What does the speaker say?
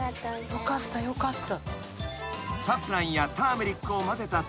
よかったよかった。